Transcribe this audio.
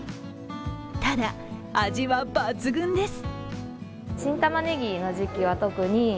ただ、味は抜群です。